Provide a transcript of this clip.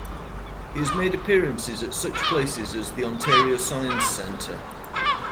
He has made appearances at such places as the Ontario Science Centre.